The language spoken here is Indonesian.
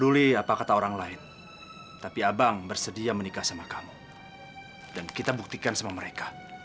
lu emang ada yang kurang ajar ya